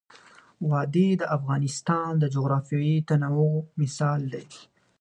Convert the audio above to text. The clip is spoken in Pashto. وادي د افغانستان د جغرافیوي تنوع مثال دی.